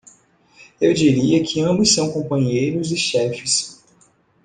Eu diria que ambos são companheiros e chefes.